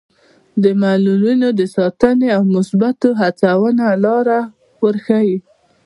د معلولینو د ستاینې او مثبتې هڅونې لاره ورښيي.